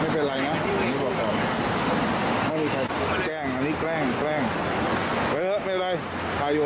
ไม่มีใครแกล้งอันนี้แกล้งแกล้งเหลือไม่เป็นไรตายอยู่